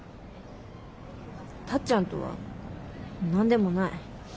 タッちゃんとは何でもない。